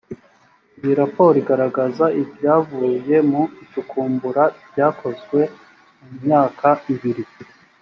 iyi raporo igaragaza ibyavuye mu icukumbura ryakozwe mu myaka ibiri